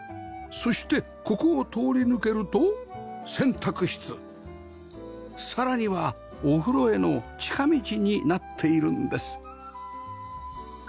そしてここを通り抜けると洗濯室さらにはお風呂への近道になっているんです